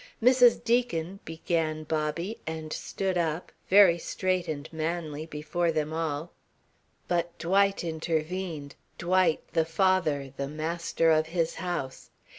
"Mrs. Deacon " began Bobby, and stood up, very straight and manly before them all. But Dwight intervened, Dwight, the father, the master of his house.